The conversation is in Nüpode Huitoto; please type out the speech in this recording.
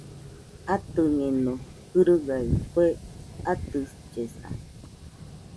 Atɨñeno gɨrɨgaɨ kue atɨllesa